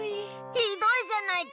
ひどいじゃないか！